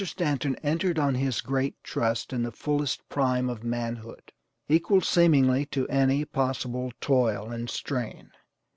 Stanton entered on his great trust in the fullest prime of manhood, equal, seemingly, to any possible toil and strain.